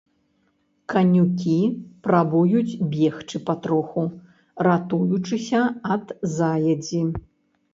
Канюкі прабуюць бегчы патроху, ратуючыся ад заедзі.